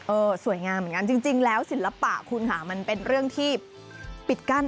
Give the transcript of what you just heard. สวยงามเหมือนกันจริงแล้วศิลปะคุณค่ะมันเป็นเรื่องที่ปิดกั้น